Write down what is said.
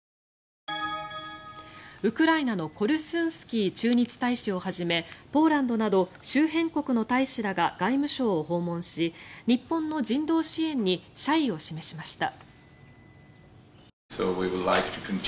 ウクライナのコルスンスキー駐日大使をはじめポーランドなど周辺国の大使らが外務省を訪問し日本の人道支援に謝意を示しました。